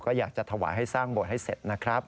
ก็อยากจะถวายให้สร้างโบสถให้เสร็จนะครับ